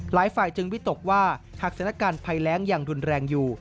หลายฝ่ายจึงวิตกว่าหักศาลการณ์ไพแร้งอย่างดุลแรงอยู่